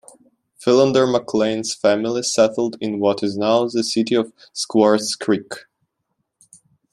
Philander McLain's family settled in what is now the City of Swartz Creek.